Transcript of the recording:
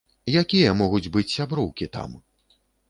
Якія могуць быць сяброўкі там?